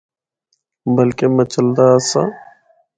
بلکہ مَچلدا آسا۔